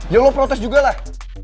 ya allah protes juga lah